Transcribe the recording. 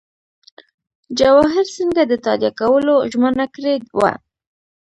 جواهر سینګه د تادیه کولو ژمنه کړې وه.